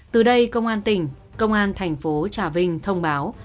từ đây công an tỉnh công an thành phố trà vinh thông báo